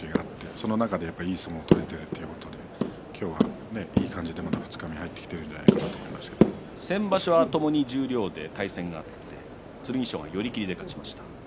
その中で、いい相撲が取れているということで今日は、いい感じで二日目に入ってきているんじゃないかと先場所はともに十両で対戦があって剣翔が寄り切りで勝ちました。